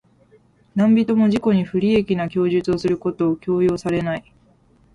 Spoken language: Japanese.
何人（なんびと）も自己に不利益な供述をすることを強要されない。